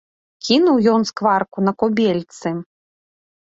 Кінуў ён скварку на кубельцы.